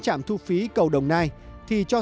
trạm thu phí cầu đồng nai thì cho